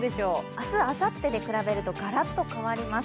明日、あさってで比べるとがらっと変わります。